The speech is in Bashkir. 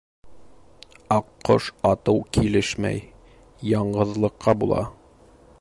Аҡҡош атыу килешмәй: яңғыҙлыҡҡа була.